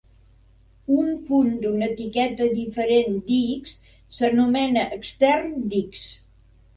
Un punt d'una etiqueta diferent d'"x" s'anomena extern d'"x".